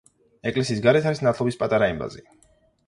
ეკლესიის გარეთ არის ნათლობის პატარა ემბაზი.